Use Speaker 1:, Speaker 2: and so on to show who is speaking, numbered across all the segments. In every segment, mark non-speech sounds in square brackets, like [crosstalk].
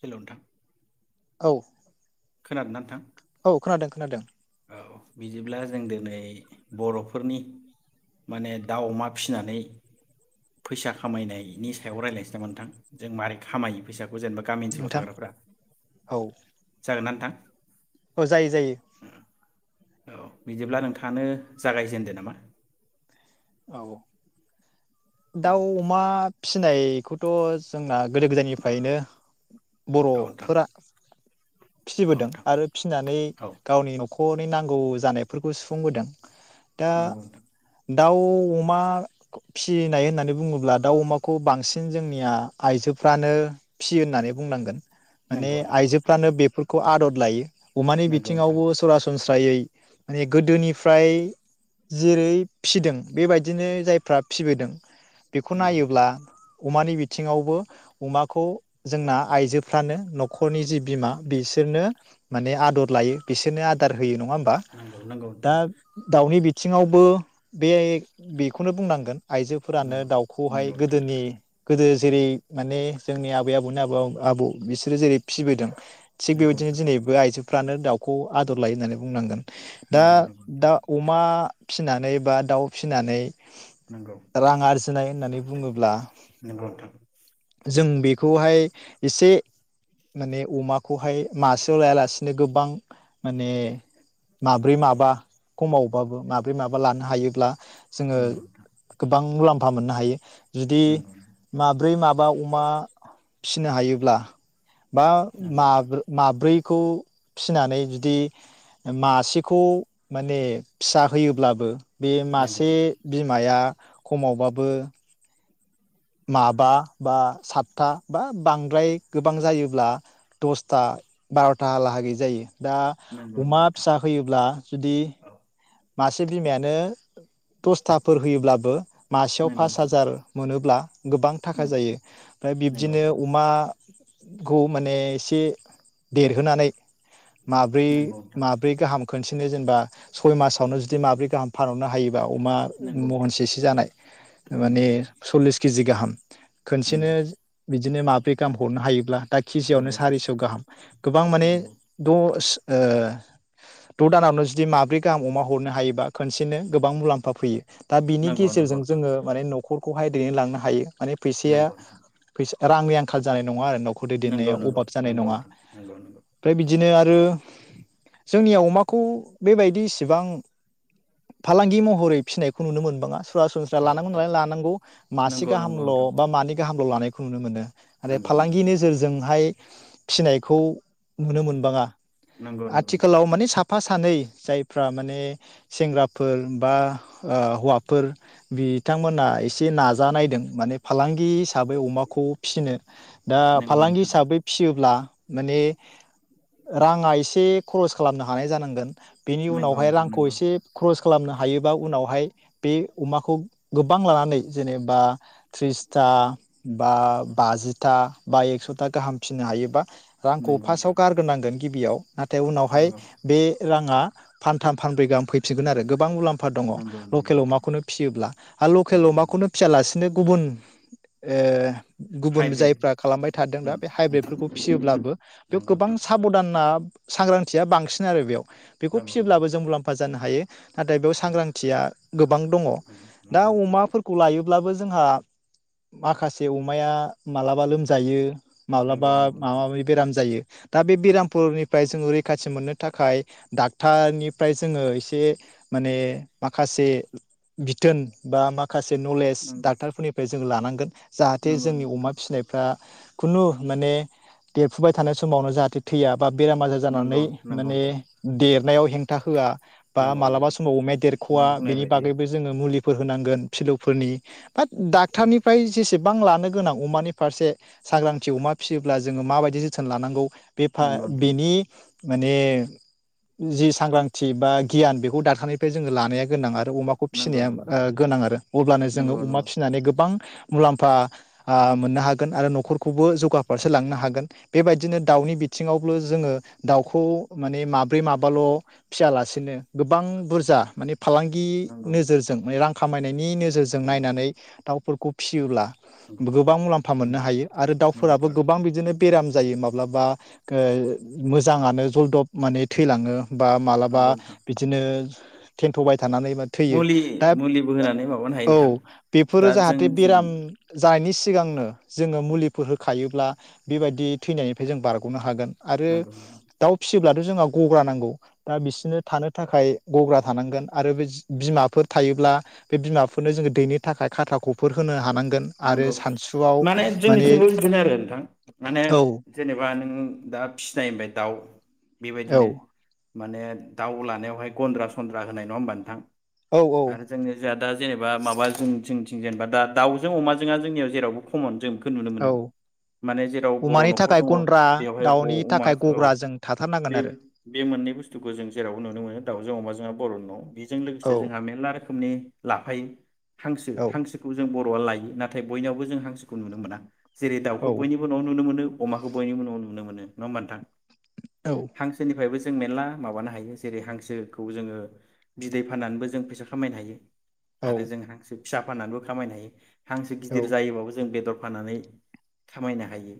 Speaker 1: हेल' नोंथां?
Speaker 2: औ।
Speaker 1: खोनादोंना नोंथां?
Speaker 2: औ खोनादों खोनादों।
Speaker 1: औ बिदिब्ला जों दिनै बर'फोरनि माने दाउ, अमा फिसिनानै फैसा खामायनायनि सायाव रायज्लायनोसै नामा नोंथां जों मारै खामायो फैसा जेनेबा गामि ओनसोलाव
Speaker 2: नोंथां
Speaker 1: थाग्राफ्रा
Speaker 2: औ
Speaker 1: जागोन ना नोंथां?
Speaker 2: औ जायो जायो।
Speaker 1: औ बिदिब्ला नोंथाङानो जागायजेनदो नामा।
Speaker 2: औ।
Speaker 1: औ
Speaker 2: दाउ अमा फिसिनायखौथ' जोंना गोदो गोदायनिफ्रायनो
Speaker 1: औ नोंथां
Speaker 2: बर'फोरा
Speaker 1: औ
Speaker 2: फिसिबोदों
Speaker 1: नोंथां
Speaker 2: आरो फिसिनानै
Speaker 1: औ
Speaker 2: गावनि न' नख'रनि नांगौ जानायफोरखौ सुफुंबोदों। दा
Speaker 1: नंगौ नोंथां।
Speaker 2: दाउ अमा फिनाय होननानै बुङोब्ला दाउ अमाखौ बांसिन जोंनिया आइजोफ्रानो फिसियो होननानै बुंनांगोन। माने
Speaker 1: नंगौ नंगौ नोंथां
Speaker 2: आइजोफ्रानो बेफोर खौ आदद लायो। अमानि
Speaker 1: नंगौ नोंथां
Speaker 2: बिथिङावबो सरासनस्रा यै माने गोदोनिफ्राय जेरै फिसिदों बेबायदिनो जायफ्रा फिबोदों बेखौ
Speaker 1: नंगौ
Speaker 2: नायोब्ला अमानि बिथिङावबो अमाखौ जोंना आइजो फानो न'खरनि जि बिमा बिसोरनो माने आदर लायो बिसोरनो आदार होयो नङा होनबा दा
Speaker 1: नोंथां
Speaker 2: दाउनि बिथ बिथिङावबो बे बेखौनो बुंनांगोन आइजोफोरानो
Speaker 1: नंगौ
Speaker 2: दाउखौहाय
Speaker 1: नंगौ नोंथां
Speaker 2: गोदोनि गोदो जेरै माने जोंनि आबै आबौनि आबौ आबौ बिसोरो जेरै फिसिबोदों थिग
Speaker 1: नंगौ नंगौ
Speaker 2: बेबायदिनो दिनैबो आइजो फ्रानो दाउखौ आदर लायो होननानै बुंनांगोन।
Speaker 1: नोंथां
Speaker 2: दा
Speaker 1: नंगौ नोंथां
Speaker 2: दा अमा फिसिनानै [unintelligible] फिसिनानै
Speaker 1: नंगौ
Speaker 2: रां आरजिनाय होननानै बुङोब्ला
Speaker 1: नंगौ नोंथां नंगौ नोंथां
Speaker 2: जों बेखौहाय एसे माने अमाखौहाय मासेयाव लायालासेनो गोबां माने माब्रै माबा खमावबाबो माब्रै माबा लानो हायोब्ला जोङो
Speaker 1: नंगौ नोंथां
Speaker 2: गोबां मुलाम फा मोननो हायो। जुदि
Speaker 1: नंगौ नंगौ
Speaker 2: माब्रै माबा अमा फिसिनो हायोब्ला बा
Speaker 1: नंगौ नोंथां
Speaker 2: मा-माब्रै खौ फिनानै जुदि मासेखौ माने फिसा होयोब्लाबो बे
Speaker 1: नंगौ
Speaker 2: मासे
Speaker 1: नोंथां
Speaker 2: बिमाया खमावबाबो माबा बा सातथा बा बांद्राय गोबां जायोब्ला दसथा बार'थालागै जायो दा
Speaker 1: नंगौ नंगौ
Speaker 2: अमा
Speaker 1: नोंथां
Speaker 2: फिसा होयोब्ला जुदि
Speaker 1: औ
Speaker 2: मासे बिमायानो दस्थाफोर होयोब्लाबो मासेयाव
Speaker 1: नंगौ
Speaker 2: पास
Speaker 1: नोंथां
Speaker 2: हाजार मोनोब्ला गोबां थाखा
Speaker 1: उम
Speaker 2: जायो ओमफ्राय
Speaker 1: नंगौ
Speaker 2: बिब्दिनो
Speaker 1: नोंथां
Speaker 2: अमा ग माने एसे देरहोनानै माब्रै
Speaker 1: नंगौ नोंथां
Speaker 2: माब्रै गाहाम खनसेनो जेनेबा सय मासावनो जुदि माब्रै गाहाम फानहरनो हायो बा अमा
Speaker 1: नंगौ नोंथां
Speaker 2: महनसेसो जानाय
Speaker 1: नंगौ
Speaker 2: माने
Speaker 1: नंगौ
Speaker 2: सलिस केजि गाहाम खनसेनो
Speaker 1: नंगौ
Speaker 2: बिदिनो माब्रै गाहाम हरनो हायोब्ला दा केजियावनो सारिस' गाहाम गोबां माने दस ओ द दानावनो जुदि माब्रै गाहाम अमा हरनो हायोबा खनसेनो गोबां मुलाम्फा फैयो दा बिनि
Speaker 1: नंगौ नोंथां नंगौ
Speaker 2: गेजेरजों
Speaker 1: नोंथां
Speaker 2: जोङो माने न'खर खौहाय दिनै लांनो हायो माने फैसाया
Speaker 1: नंगौ नोंथां
Speaker 2: फैसा रांनि आंखाल जानाय नङा आरो [unintelligible]
Speaker 1: नंगौ
Speaker 2: दैदेननायाव
Speaker 1: नंगौ
Speaker 2: अभाब जानाय
Speaker 1: नंगौ
Speaker 2: नङा
Speaker 1: नोंथां नंगौ नंगौ
Speaker 2: ओमफाय बिदिनो ओ जोंनियाव अमाखौ बेबायदि सि सिबां फालांगि महरै फिसिनायखौ नुनो मोनबाङा सरासनस्रा
Speaker 1: औ
Speaker 2: लानांगौ
Speaker 1: औ
Speaker 2: नालाय लानांगौ मासे
Speaker 1: नंगौ नंगौ
Speaker 2: गाहामल'
Speaker 1: नोंथां
Speaker 2: बा मानै गाहामल' लानाय बेखौ नुनो मोनो आरो
Speaker 1: नंगौ नंगौ
Speaker 2: फालांगि नोजोरजोंहाय फिनायखौ नुनो मोनबाङा
Speaker 1: नंगौ नंगौ नोंथां
Speaker 2: आथिखालाव माने साफ फा सानै जाय फ्रा माने सेंग्राफोर बा ओ हौवाफोर बिथांमोना एसे नाजानायदों माने फालांगि हिसाबै अमाखौ फिसिनो दा
Speaker 1: नंगौ
Speaker 2: फालांगि
Speaker 1: नोंथां
Speaker 2: हिसाबै फियोब्ला माने राङा एसे खरस खालामनो हानाय जानांगोन बेनि
Speaker 1: नंगौ
Speaker 2: उनावहाय
Speaker 1: नोंथां
Speaker 2: रांखौ एसे खरस खालामनो हायोबा उनावहाय बे अमाखौ गोबां लानानै जेनेबा थ्रिसथा बा बाजिथा बा एक्स'था गाहाम फिनो हायोबा रांखौ
Speaker 1: नंगौ नंगौ
Speaker 2: फार्स्टाव
Speaker 1: नोंथां
Speaker 2: गारग्रोनांगोन गिबियाव नाथाय उनावहाय
Speaker 1: नंगौ
Speaker 2: बे राङा फानथाम फानबै गाहाम फैफिनगोन आरो गोबां मुलाम फा दङ
Speaker 1: नंगौ नंगौ
Speaker 2: लकेल
Speaker 1: नोंथां
Speaker 2: अमाखौनो फिसियोब्ला आरो लकेल
Speaker 1: नंगौ नंगौ
Speaker 2: अमाखौनो फिसियालासिनो गुबुन ए गुबुन
Speaker 1: हाइब्रिद
Speaker 2: जायफ्रा खालामबाय थादों दा
Speaker 1: उम
Speaker 2: बे
Speaker 1: उम
Speaker 2: हाइब्रिदफोरखौ फिसियोब्लाबो बेयाव
Speaker 1: नंगौ
Speaker 2: गोबां
Speaker 1: नोंथां
Speaker 2: साबधाना सांग्रांथिया बांसिन आरो बेयाव बेखौ
Speaker 1: नंगौ नंगौ
Speaker 2: फिसियोब्लाबो जों मुलाम्फा जानो हायो। नाथाय बेयाव
Speaker 1: औ
Speaker 2: सांग्रांथिया गोबां दङ
Speaker 1: नंगौ
Speaker 2: दा
Speaker 1: नंगौ नोंथां
Speaker 2: अमाफोरखौ लायो अब्लाबो जोंहा माखासे अमाया मालाबा लोमजायो माब्लाबा
Speaker 1: नंगौ नंगौ नोंथां
Speaker 2: माबा माबि बेराम जायो दा बे बेरामफोरनिफ्राय जों रै रैखाथि मोननो थाखाय डाक्टारनिफ्राय जोङो एसे माने माखासे बिथोन बा मा माखासे नलेज
Speaker 1: नंगौ
Speaker 2: डाक्टारफोरनिफ्राय जों जों लानांगोन जाहाथे
Speaker 1: नंगौ
Speaker 2: जोंनि अमा फिसिनायफ्रा खुनु माने देरफुबाय थानाय समावनो जाहाथे थैया बा बेराम आजार जानानै
Speaker 1: नंगौ नंगौ
Speaker 2: माने
Speaker 1: नोंथां
Speaker 2: देरनायाव हेंथा होआ बा
Speaker 1: नंगौ
Speaker 2: मालाबा
Speaker 1: नंगौ नोंथां नंगौ
Speaker 2: समाव अमाया
Speaker 1: नों
Speaker 2: देरख'वा
Speaker 1: बुंनाय
Speaker 2: बेनि
Speaker 1: बायदि
Speaker 2: बागैबो जोंङो मुलि फोर होनांगोन फिलौफोरनि बाट डाक्टारनिफ्राय जेसेबां लानो गोनां अमानि फारसे सांग्रांथि अमा फिसियोब्ला जोङो माबायदि जोथोन लानांगौ बेफा
Speaker 1: नंगौ नोंथां
Speaker 2: बेनि माने जि सांग्रांथि बा गियान बेखौ दाकटारनिफ्राय जोङो लानाया गोनां आरो अमाखौ
Speaker 1: नंगौ
Speaker 2: फिसिनाया ओ
Speaker 1: नंगौ
Speaker 2: गोनां आरो अब्लानो जोङो
Speaker 1: नंगौ
Speaker 2: अमा फिसिनानै गोबां मुलाम्फा ओ मोननो हागोन आरो न'खरखौबो जौगाफारसे लांनो हागोन बेबायदिनो दाउनि बिथिङावबो जोङो दाउखौ माने माब माब्रै माबाल' फियालासेनो गोबां बुरजा माने फालांगि
Speaker 1: नंगौ
Speaker 2: नोजोरजों माने रां खामायनायनि नि नोजोरजों
Speaker 1: नंगौ नंगौ
Speaker 2: नायनानै दाउ फोरखौ फिसियोब्ला
Speaker 1: नंगौ
Speaker 2: गोबां मुलाम्फा मोननो
Speaker 1: नंगौ
Speaker 2: हायो आरो
Speaker 1: नंगौ
Speaker 2: दाउफोराबो
Speaker 1: आरो
Speaker 2: गोबां बिदिनो बेराम जायो माब्लाबा मोजांङानो जलदब माने थैलाङो। बा मालाबा
Speaker 1: नंगौ नोंथां
Speaker 2: बिदिनो थेन्थ'बाय थानानैबो थैयो
Speaker 1: मुलि
Speaker 2: दा
Speaker 1: मुलिबो होनानै माबानो हायो
Speaker 2: औ
Speaker 1: नोंथां
Speaker 2: बेफोर
Speaker 1: दा
Speaker 2: जाहाथे
Speaker 1: जोंनिथिं
Speaker 2: बेराम सिगांनो जोङो मुलिफोर होखायोब्ला बेबायदि थैनायनिफ्राय जों बारग'नो हागोन। आरो
Speaker 1: नंगौ नंगौ
Speaker 2: दाउ फि जेब्लाथ जोंआ गग्रा नांगौ दा बिसोरनो थानो थाखाय गग्रा थानांगोन आरो बे बिमाफोर थायोब्ला बे बिमाफोरनो जोङो दैनो थाखाय खाथा खफोर होनो हानांगोन। आरो
Speaker 1: नंगौ
Speaker 2: सानसुआव
Speaker 1: माने जोंनिथिंबो बिदिनो आरो नोंथां माने
Speaker 2: औ
Speaker 1: जेनेबा नों दा फिनाय होनबाय दाउ।
Speaker 2: औ
Speaker 1: बेबायदिनो माने दाउ लानायावहाय गन्द्रा सन्द्रा होनाय नङा होमबा नोंथां?
Speaker 2: औ, औ।
Speaker 1: आरो जोंनि दा जेनेबा माबा जों थिं थिं जेनबा दा दाउ जों अमाज जोंआ जोंनियाव जेरावबो खमन जों खौ नुनो मोनो।
Speaker 2: औ
Speaker 1: माने जेराव बर'
Speaker 2: अमानि
Speaker 1: न'खर
Speaker 2: थाखाय
Speaker 1: दङ
Speaker 2: गन्द्रा
Speaker 1: बेवहाय ग
Speaker 2: दाउनि
Speaker 1: अमा
Speaker 2: थाखाय
Speaker 1: औ
Speaker 2: गग्रा जों
Speaker 1: बे
Speaker 2: थाथारनांगोन आरो
Speaker 1: बे मोननै बुस्थुखौ जों जेरावबो नुनो मोनो दाउजों अमाजोंहा बर' न' बेजों लोगोसे
Speaker 2: औ
Speaker 1: जोंहा मेरला रोखोमनि लाफायो। हांसो
Speaker 2: औ
Speaker 1: हांसोखौ जों बर' [unintelligible] नाथाय बयनिआवबो जों हांसोखौ नुनो मोना। जेरै- दाउखौ
Speaker 2: औ
Speaker 1: बयनिबो न'आव नुनो मोनो अमाखौ बयनिबो न'आव नुनो मोनो नङा होमबा नोंथां?
Speaker 2: औ
Speaker 1: हांसोनिफ्रायबो जों मेर्ला माबानो हायो जेरै- हांसोखौ जोङो बिदै फाननानैबो जों फैसा खामायनो हायो।
Speaker 2: औ
Speaker 1: आरो जों हांसो फिसा फाननानैबो खामायनो हायो। हांसो गिदिर जायोबाबो जों बेदर होफानानै खामायनो हायो।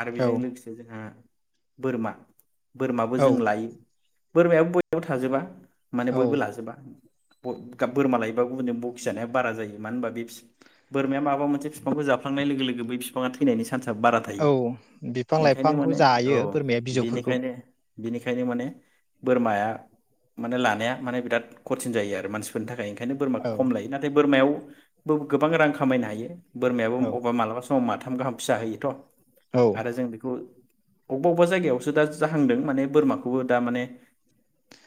Speaker 1: आरो बेजों लोगोसे जोंहा बोरमा बोरमाबो
Speaker 2: औ
Speaker 1: जों लायो बोरमायाबो बयनावबो थाजोबा। माने
Speaker 2: औ
Speaker 1: बयबो लाजोबा। ब बोरमा लायोबा गुबुनजों बखिजानाया बारा जायो मानो होनबा बे बोरमाया माबा मोनसे बिफांखौ जाफ्लांनाय लोगो बै बिफाङा थैनायनि चान्सआ बारा थायो
Speaker 2: औ बिफां
Speaker 1: ओंखायनो माने
Speaker 2: लाइफांखौ
Speaker 1: औ
Speaker 2: जायो बोरमाया बिजौफोरखौ
Speaker 1: बिनिखायनो बिनिखायनो माने बोरमाया माने लानाया माने बिराद खथिन जायो आरो मानसिफोरनि थाखाय बेनिखायनो बोरमाखौ
Speaker 2: औ
Speaker 1: खम लायो नाथाय बोरमायावबो गोबां रां खामायनो हायो बोरमायाबो
Speaker 2: औ
Speaker 1: अबा मालाबा सम माव माथाम गाहाम फिसा होयोथ'
Speaker 2: औ
Speaker 1: आरो जों बेखौ अबेबा अबेबा जायगायावसो दा जाहांदों माने बोरमाखौबो दा माने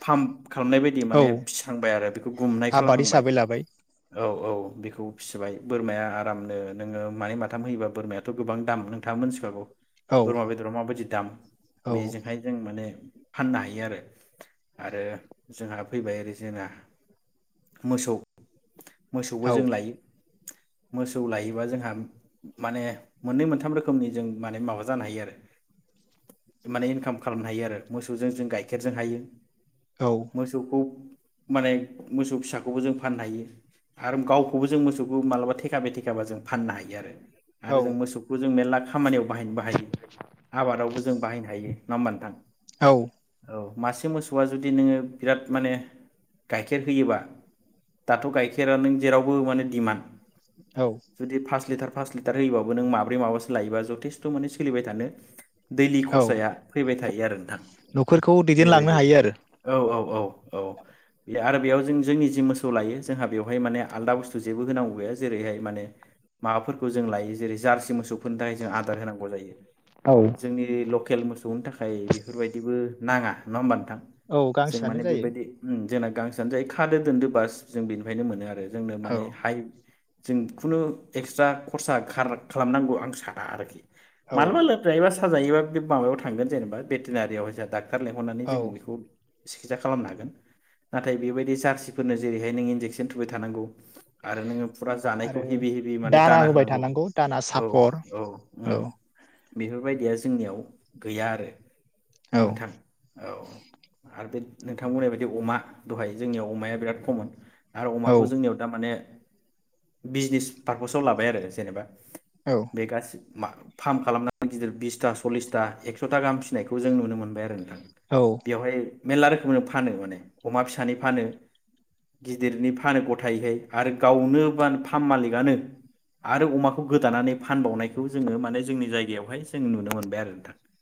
Speaker 1: फार्म खालामनाय बायदि
Speaker 2: औ
Speaker 1: माने फिसहांबाय आरो बेखौ गुमनाय
Speaker 2: आबाद
Speaker 1: खालामहांबाय
Speaker 2: हिसाबै लाबाय
Speaker 1: औ औ बेखौ फिसिबाय बोरमाया आरामनो नोङो मानै माथाम होयोबा बोरमायाथ' गोबां दाम नोंथाङा मोनथिखागौ
Speaker 2: औ
Speaker 1: बोरमा बेदरा माबादि दां
Speaker 2: औ
Speaker 1: बेजोंहाय जों माने फाननो हायो आरो आरो जोंहा फैबाय ओरै जोंहा मोसौ मोसौबो
Speaker 2: औ
Speaker 1: जों लायो। मोसौ लायोबा जोंहा माने मोननै मोनथाम रोखोमनि जों माने माबा जानो हायो आरो माने इनकाम खालामनो हायो आरो मोसौजों जों गाइखेरजों हायो। मोसौखौ माने मोसौ फिसाखौबो जों फाननो हायो आरो गावखौबो जों मोसौ नों मालाबा थेखा बे थेखाबा जों फाननो हायो आरो।
Speaker 2: औ
Speaker 1: आरो जों मोसौखौ जों मेरला खामानियाव बाहायनोबो हायो आबादावबो जों बाहायनो हायो। नङा होमबा नोंथां?
Speaker 2: औ।
Speaker 1: औ मासे मोसौआ जुदि नोङो बिराद माने गाइखेर होयोबा दाथ' गाइखेरा नों जेरावबो माने डिमान्ड।
Speaker 2: औ
Speaker 1: जुदि फास लिटार पास लिटार होयोबाबो नों माब्रै माबासो लायोबा जथेस्थ माने सोलिबाय थानो दैलि
Speaker 2: औ
Speaker 1: खरसाया फैबाय था थायो आरो नोंथा।
Speaker 2: न'खरखौ दैदेनलांनो हायो आरो।
Speaker 1: औ औ औ बे आरो बेयाव जों जोंनि जि मोसौ लायो जोंहा बेवहाय माने आलदा बुस्थु जेबो होनांगौ बेयो जेरैहाय माने माबाफोरखौ जों लायो जेरै जार्सि मोसौ बिनि थाखाय जों आदार होनांगौ जायो
Speaker 2: औ
Speaker 1: जोंनि एरियायाव लकेल मोसौनि थाखाय बेफोरबायदिबो नाङा नङा होमबा थां
Speaker 2: औ
Speaker 1: जों
Speaker 2: गांसोआनो
Speaker 1: माने
Speaker 2: जायो
Speaker 1: बेबायदि उम जे [unintelligible] गांसानो जायो खादो दोनदो बास जों बेनिफायनो मोनो आरो। जोंनो
Speaker 2: औ
Speaker 1: माने हाइ जों खुनु एक्सट्रा खरसा खार खालामनांगौ आं साना आरोखि।
Speaker 2: औ
Speaker 1: [unintelligible] साजायोबा बे माबायाव थांगोन जेनेबा भेटेनारियाव जोंहा डाक टार लेंहरनानै
Speaker 2: औ
Speaker 1: जों बेखौ सिकित्सा खालामनो हागोन नाथाय बेबायदि जारसिफोरनो जेरैहाय नों इन्जेकसन थुबाय थानांगौ आरो नोङो पुरा जानायखौ
Speaker 2: आरो
Speaker 1: हेभि हेभि माने दाना
Speaker 2: होबाय
Speaker 1: होनांगौ
Speaker 2: थानांगौ दाना
Speaker 1: औ
Speaker 2: सापर
Speaker 1: औ
Speaker 2: औ
Speaker 1: उम। बेफोरबायदिया जोंनियाव गैया आरो।
Speaker 2: औ
Speaker 1: नोंथां औ आर बे नोंथांमोननाय बायदि अमा दहाय जोंनियाव अमाया बिराद कमन आरो
Speaker 2: औ
Speaker 1: अमाखौ जोंनियाव दा माने बिजनेस पार्पसाव लाबाय आरो जेनेबा
Speaker 2: औ
Speaker 1: बे गास फार्म खालामनानै गिदिर बिसथा सल्लिसथा एकस'था गाहाम फिसिनायखौ जों नुनो मोनबाय आरो।
Speaker 2: औ
Speaker 1: बेवहाय मेर्ला रोखोमनो फानो माने अमा फिसानि फानो गिदिरनि फानो गथायैहाय आरो गावनो गोब फार्म मालिकआनो आरो अमाखौ गोदानानै फानबावनायखौ जोङो माने जोंनि जायगायावहाय जों नुनो मोनबाय आरो।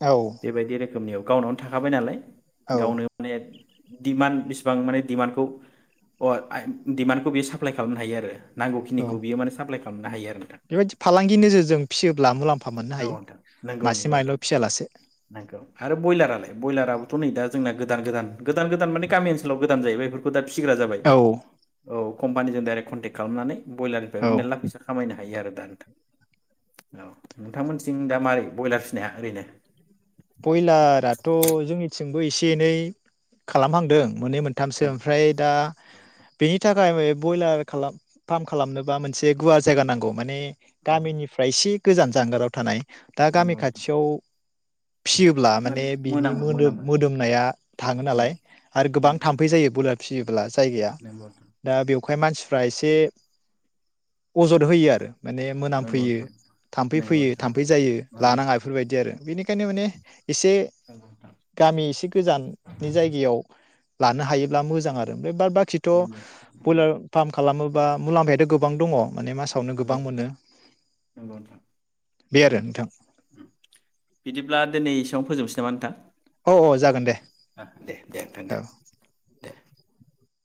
Speaker 2: औ
Speaker 1: बेबायदि रो रोखोमनियाव गावनो थाखाबाय नालाय
Speaker 2: औ
Speaker 1: गावनो माने दिडमान्ड बेसिबां माने दिडमान्डखौ डिमान्डखौ बे साप्लााय खालामनो हायो आरो नांगौखिनिखौ
Speaker 2: औ
Speaker 1: बियोान साफ्लाय खालामनो हायो आरो नोंथां
Speaker 2: बेबायदि फालांगि नोजोरजों फिसियोब्ला मुलाम्फा मोननो
Speaker 1: औ
Speaker 2: हायो
Speaker 1: नोंथां नंगौ
Speaker 2: मासे
Speaker 1: नंगौ नोंथां
Speaker 2: मानैल' फियालासे।
Speaker 1: नंगौ आरो ब्रयलारालाय ब्रयलाराबोथ' नै दा जोंना गोद गोदान गोदान गोदान माने गामि ओनसोलाव गोदान जायोबाय बेफोरखौ दा। फिसिग्रा जाबाय
Speaker 2: औ
Speaker 1: औ कम्पानि जों दाइरेक्ट कनटेक्ट खालामनानै ब्रयलारनिफ्रायबो
Speaker 2: औ
Speaker 1: मेरला फैसा खामायनो हायो आरो औ नोंथांमोनथिं दा मारै ब्रयलार फिनाया ओरैनो
Speaker 2: जोंबो एसे एनै खालामहांदों। मोननै मोनथामसो ओमफ्राय दा बेनि थाखाय फ्राय ब्रयलार खालाम फार्म खालामनोबा मोनसे गुवार जायगा नांगौ माने
Speaker 1: औ
Speaker 2: गामिनिफ्राय इसि गोजान जानगाराव थानाय दा गामि
Speaker 1: नंगौ नोंथां
Speaker 2: खाथियाव फिसियोब्ला माने बिनि
Speaker 1: मोनामो
Speaker 2: मोदोम
Speaker 1: मोनामो
Speaker 2: मोदोमनाया थाङो
Speaker 1: उम
Speaker 2: नालाय आरो
Speaker 1: उम
Speaker 2: गोबां थाम्फै जायो ब्रयलार फियोब्ला जायगाया‌
Speaker 1: नंगौ
Speaker 2: दा बेव ओंखाय मानसिफ्रा एसे अजद होयो आरो। माने मोनामफैयो
Speaker 1: नोंथां
Speaker 2: थाम्फै
Speaker 1: नंगौ
Speaker 2: फैयो
Speaker 1: नोंथां
Speaker 2: थाम्फै जायो
Speaker 1: नंगौ नोंथां
Speaker 2: लानाङा बेफोरबायदि आरो बेनिखायनो माने एसे
Speaker 1: नंगौ नोंथां
Speaker 2: गामि एसे गोजाननि जायगायाव। लानो हायोब्ला मोजां आरो बे बाद बाखिथ'
Speaker 1: नंगौ
Speaker 2: ब्रयलार फार्म खालामो बा मुलाम्फायाथ' गोबां दङ'। माने मासावनो
Speaker 1: नंगौ
Speaker 2: गोबां
Speaker 1: नोंथां
Speaker 2: मोनो।
Speaker 1: नंगौ नोंथां
Speaker 2: बे आरो नोंथां।
Speaker 1: बिदिब्ला दिनै एसेयावनो फोजोबनोसै नामा नोंथां?
Speaker 2: औ औ जागोन दे
Speaker 1: दे दे नोंथां
Speaker 2: औ।
Speaker 1: दे